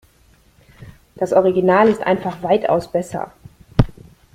Das Original ist einfach weitaus besser.